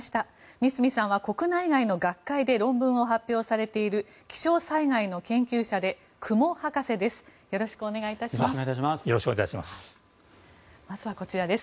三隅さんは、国内外の学会で論文を発表されている気象災害の研究者で雲博士です。